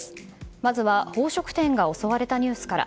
まずは宝飾店が襲われたニュースから。